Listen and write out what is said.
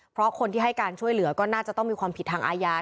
เพราะคนที่ให้การช่วยเหลือก็น่าจะต้องมีความผิดทางอาญา